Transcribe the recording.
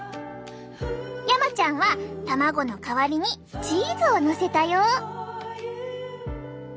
山ちゃんは卵の代わりにチーズをのせたよ。